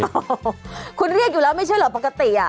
โอ้โหคุณเรียกอยู่แล้วไม่ใช่เหรอปกติอ่ะ